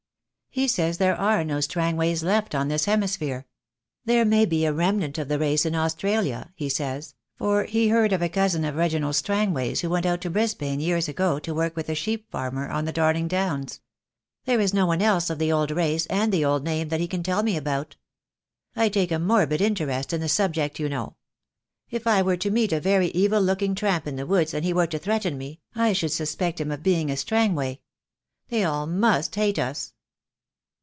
He says there are no Strangways left on 3* 6 THE DAY WILL COME. this hemisphere. There may be a remnant of the race in Australia," he says, "for he heard of a cousin of Reginald Strangway's who went out to Brisbane years ago to work with a sheep farmer on the Darling Downs. There is no one else of the old race and the old name that he can tell me about. I take a morbid interest in the subject, you know. If I were to meet a very evil looking tramp in the woods and he were to threaten me, I should suspect him of being a Strangway. They all must hate us."